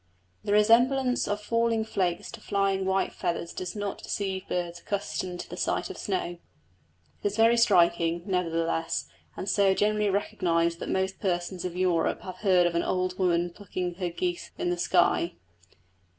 The resemblance of falling flakes to flying white feathers does not deceive birds accustomed to the sight of snow: it is very striking, nevertheless, and so generally recognised that most persons in Europe have heard of the old woman plucking her geese in the sky.